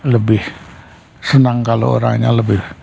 lebih senang kalau orangnya lebih